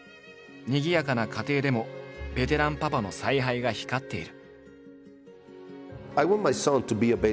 にぎやかな家庭でもベテランパパの采配が光っている。